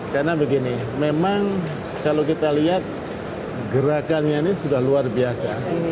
karena begini memang kalau kita lihat gerakannya ini sudah luar biasa